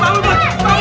jangan pak pak jangan